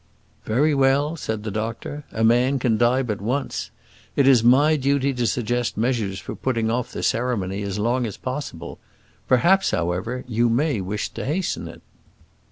"Very well," said the doctor. "A man can die but once. It is my duty to suggest measures for putting off the ceremony as long as possible. Perhaps, however, you may wish to hasten it."